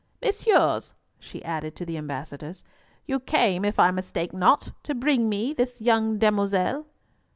"Messieurs," she added to the ambassadors, "you came, if I mistake not, to bring me this young demoiselle."